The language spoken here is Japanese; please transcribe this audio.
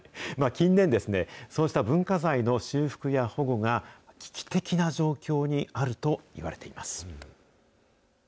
近年、そうした文化財の修復や保護が危機的な状況にあるといわれています。